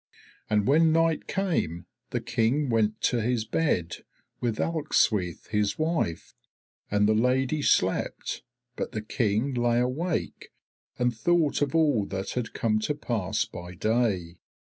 And when night came, the King went to his bed with Ealhswyth his wife. And the Lady slept, but the King lay awake and thought of all that had come to pass by day.